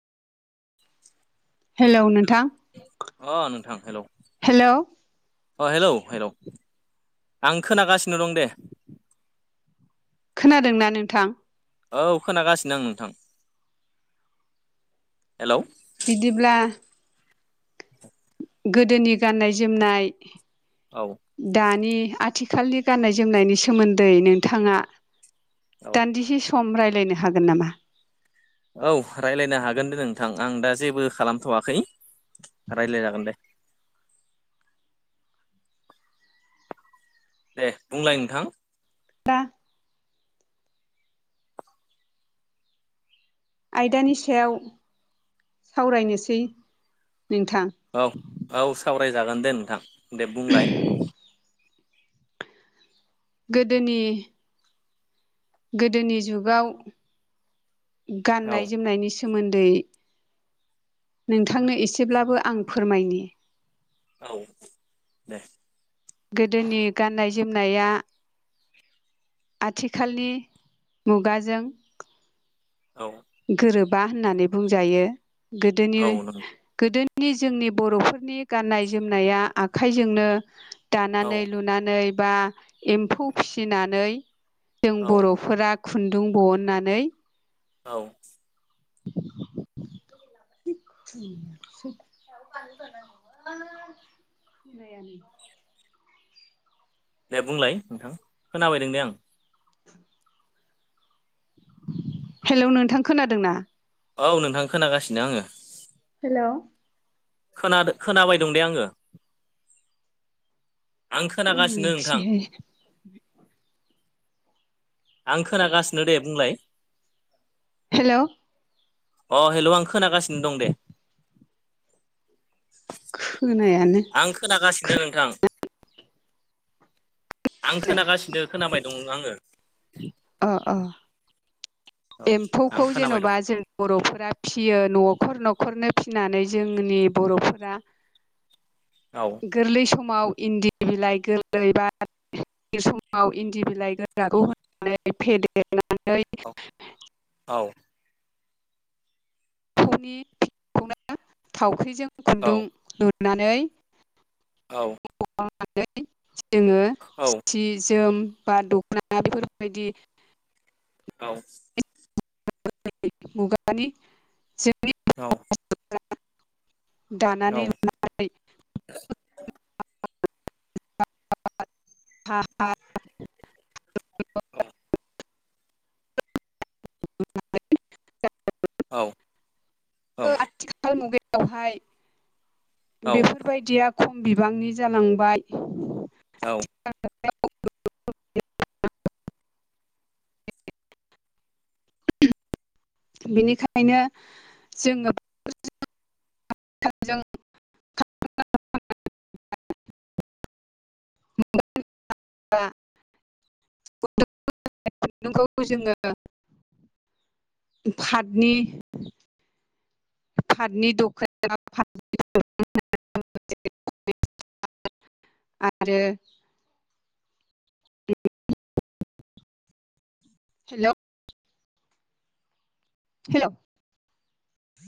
Hello नोंथां अ नोंथां हेलौ हेलौ अ हेलौ हेलौ आं खोनागासिनो दं दे खोनादोंना नोंथां औ खोनागासिनो आं नोंथां हेलौ बिदिब्ला गोदोनि गाननाय-जोमनाय औ दानि आथिखालनि गाननाय जोमनायनि सोमोन्दै नोंथाङा औ दान्दिसे सम रायलायनो हागोन नामा औ रायलायनो हागोन दे नोंथां आं दा जेबो खालामथ'वाखै रायलायजागोन दे दे बुंलाय नोंथां दा आयदानि सायाव सावरायनोसै नोंथां औ औ सावरायजागोन दे नोंथां दे बुंलाय गोदोनि गोदोनि जुगाव गाननाय औ जोमनायनि सि- सोमोन्दै नोंथांनो एसेब्लाबो आं फोरमायनि औ दे गोदोनि गाननाय जोमनाया आथिखालनि मुगाजों औ गोरोबा होननानै बुंजायो गोदोनि औ नों गोदोनि जोंनि बर'फोरनि गाननाय जोमनाया आखाइजोंनो औ दानानै लुनानै बा एम्फौ फिसिनानै जों औ बर'फोरा खुन्दुं बहननानै औ [inaudible] दे बुंलाय नोंथां खोनाबायदों दे आं [inaudible] हेलौ नोंथां खोनादों ना औ नोंथां खोनागासिनो आङो हेल' खोनादों खोनाबाय दं दे आङो आं खोनागासिनो नोंथां आं खोनागासिनो दे बुंलाय हेलोव अ हेल' आं खोनागासिनो दं दे खोनायानो आं खोनागासिनो नोंथां आं खोनागासिनो खोनाबाय दं आङो ओ ओ औ आं एमफोवखोव खोनाबाय दं जेनेबा जों बर'फोरा फियो न'खर न'खरनो फिनानै जोंनि बर'फोरा ? औ गोरलै समाव इन्दि बिलाइ गोरलैबा बे समाव इन्दि बिलाइ गोराखौ होनानै फेदेरनानै औ बेखौनो थावख्रिजों औ खुन्दुं लुनानै औ मावनानै जोङो औ सि जोम बा दख'ना बेफोरबायदि औ मुगानि जोंनि औ दानानै लुनाय [unintelligible] हा हा अ' [unintelligible] औ ओ आथिखाल मुगायावहाय औ बेफोर बायदिया खम बिबांनि जालांबाय औ [unintelligible] बेनिखायनो जोङो जों [unintelligible] [unintelligible] आ [unintelligible] खुन्दुंखौ जोङो पादनि पादनि दखना फा [unintelligible] आरो हेल' हेलौ